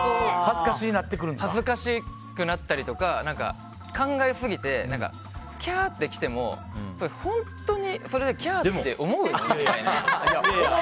恥ずかしくなったりとか考えすぎてキャーって来ても、本当にそれでキャーって思う？